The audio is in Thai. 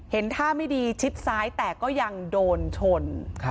ท่าไม่ดีชิดซ้ายแต่ก็ยังโดนชน